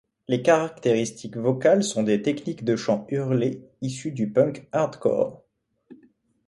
Les caractéristiques vocales sont des techniques de chant hurlé issues du punk hardcore.